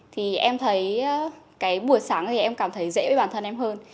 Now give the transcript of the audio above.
thì em thấy cái buổi sáng thì em cảm thấy dễ với bản thân em hơn